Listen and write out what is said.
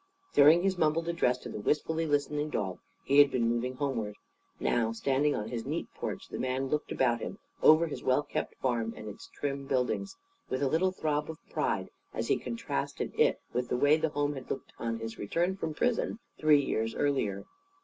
During his mumbled address to the wistfully listening dog he had been moving homeward. Now, standing on his neat porch, the man looked about him, over his well kept farm and its trim buildings; with a little throb of pride as he contrasted it with the way the home had looked on his return from prison three years earlier.